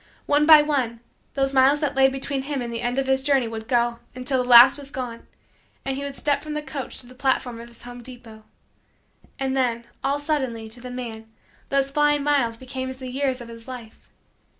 One by one, those miles that lay between him and the end of his journey would go until the last was gone and he would step from the coach to the platform of his home depot. And, then, all suddenly, to the man, those flying miles became as the years of his life.